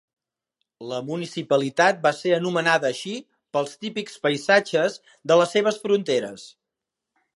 La municipalitat va ser anomenada així pels típics paisatges de les seves fronteres.